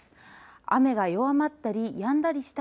雨が弱まったりやんだりした